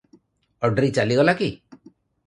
Audrey ଚାଲିଗଲା କି?